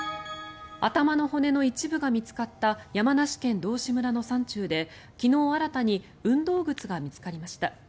頭の骨の一部が見つかった山梨県道志村の山中で昨日、新たに運動靴が見つかりました。